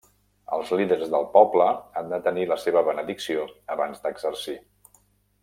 Els líders del poble ha de tenir la seva benedicció abans d'exercir.